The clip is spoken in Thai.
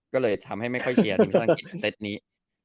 ก็เลยทำให้ไม่ค่อยเชียร์ทีมศาลอังกฤษในเซตนี้